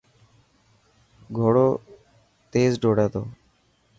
گهوڙو تيل ڊروڙي تو.